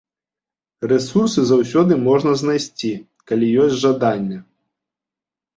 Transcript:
Рэсурсы заўсёды можна знайсці, калі ёсць жаданне.